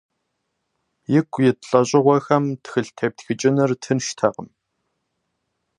Ику ит лӏэщӏыгъуэхэм тхылъ тептхыкӏыныр тынштэкъым.